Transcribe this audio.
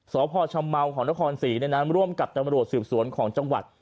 สพชมของนครสี่ในนั้นร่วมกับตำรวจสืบสวนของจังหวัด